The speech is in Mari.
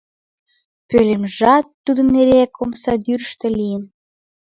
Пӧлемжат тудын эреак омсадӱрыштӧ лийын.